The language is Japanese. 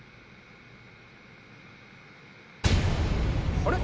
あれ？